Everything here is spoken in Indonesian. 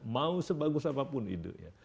mau sebagus apapun itu